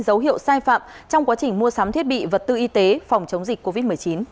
dấu hiệu sai phạm trong quá trình mua sắm thiết bị vật tư y tế phòng chống dịch covid một mươi chín